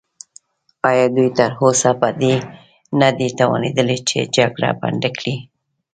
ایا دوی تراوسه په دې نه دي توانیدلي چې جګړه بنده کړي؟